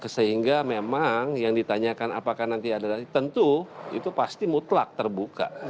sehingga memang yang ditanyakan apakah nanti ada tentu itu pasti mutlak terbuka